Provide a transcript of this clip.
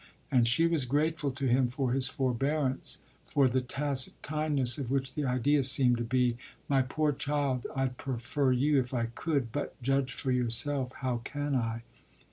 and she was grateful to him for his forbearance, for the tacit kindness of which the idea seemed to be: "My poor child, I'd prefer you if I could; but judge for yourself how can I?